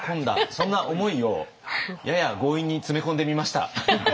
そんな思いをやや強引に詰め込んでみました。